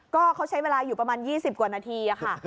ก็เขาใช้เวลาอยู่ประมาณ๒๐กว่านาทีค่ะ